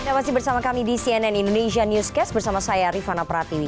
anda masih bersama kami di cnn indonesia newscast bersama saya rifana pratiwi